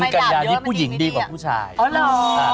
กัญญานี้ผู้หญิงดีกว่าผู้ชายอ๋อเหรอ